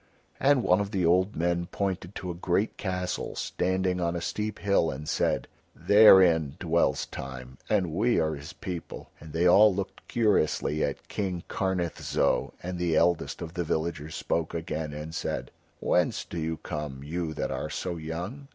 And one of the old men pointed to a great castle standing on a steep hill and said: "Therein dwells Time, and we are his people;" and they all looked curiously at King Karnith Zo, and the eldest of the villagers spoke again and said: "Whence do you come, you that are so young?"